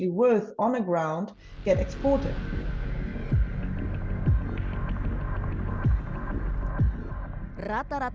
untuk memastikan bahwa sumber sumber tidak diuasai bahwa tekstil yang sebenarnya berharga di tanah di ulasan